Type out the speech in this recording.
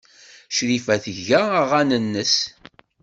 Crifa tga aɣan-nnes.